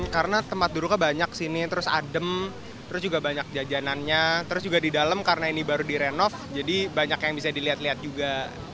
karena tempat dulu banyak sini terus adem terus juga banyak jajanannya terus juga di dalam karena ini baru direnov jadi banyak yang bisa dilihat lihat juga